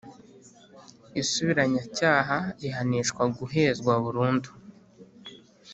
Isubiracyaha rihanishwa guhezwa burundu